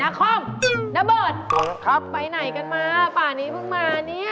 น้ำเบิดไปไหนกันมาป่านี้เพิ่งมานี่